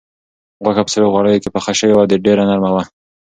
غوښه په سرو غوړیو کې پخه شوې وه او ډېره نرمه وه.